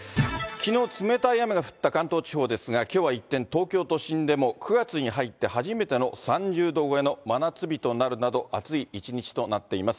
きのう、冷たい雨が降った関東地方ですが、きょうは一転、東京都心でも９月に入って初めての３０度超えの真夏日となるなど、暑い一日となっています。